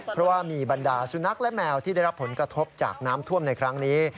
เพราะว่ามีบรรดาสุนัขและแมวที่ได้รับผลกระทบจากน้ำท่วมในครั้งนี้